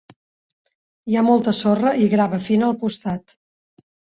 Hi ha molta sorra i grava fina al costat.